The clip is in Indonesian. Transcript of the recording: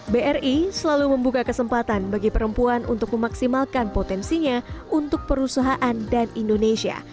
bri selalu membuka kesempatan bagi perempuan untuk memaksimalkan potensinya untuk perusahaan dan indonesia